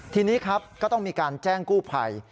ทีนี้ครับก็ต้องมีการแจ้งกู้ภัย